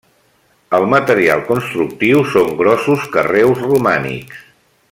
El material constructiu són grossos carreus romànics.